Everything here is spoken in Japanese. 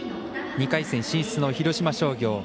２回戦進出の広島商業。